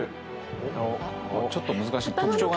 ちょっと難しい特徴が。